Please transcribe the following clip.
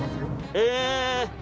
え！